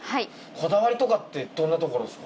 こだわりとかってどんなところですか？